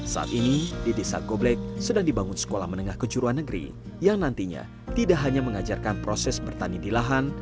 saat ini di desa goblek sedang dibangun sekolah menengah kejuruan negeri yang nantinya tidak hanya mengajarkan proses bertani di lahan